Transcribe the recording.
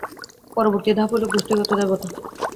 পরবর্তী ধাপ হইল গোষ্ঠীগত দেবতা।